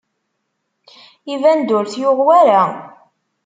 Iban-d ur t-yuɣ wara.